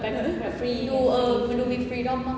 มันเป็นฟรีอยู่มันมีฟรีดอมมาก